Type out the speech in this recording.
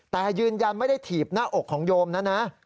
แต่ยืนยันไม่ได้ถีบหน้าอกของโยมนะนะ